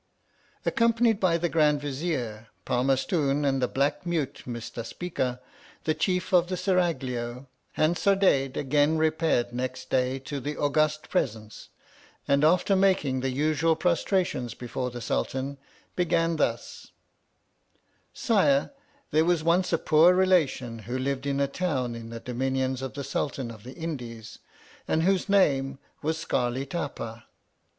ACCOMPANIED by the Grand Vizier Par marstoon, and the black mute Mistaspeeka the chief of the Seraglio, Hansardadade again 'repaired next day to the august presence, and, after making the usual prostrations e the Sultan, began thus : Sire, there was once a poor relation who lived in a town in the dominions of the Sultan of the Indies, and whose name \V;IK Soarli Tapa.